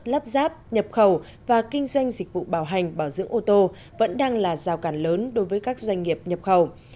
lắp ráp nhập khẩu và kinh doanh dịch vụ bảo hành bảo dưỡng ô tô vẫn đang là rào cản lớn đối với các doanh nghiệp nhập khẩu